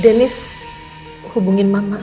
dennis hubungin mama